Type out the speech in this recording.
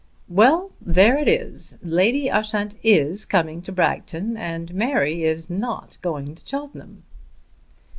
"Well; there it is. Lady Ushant is coming to Bragton and Mary is not going to Cheltenham."